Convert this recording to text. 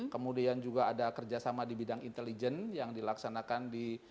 kemudian juga ada kerjasama di bidang intelijen yang dilaksanakan di